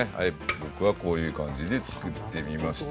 僕はこういう感じで作ってみました。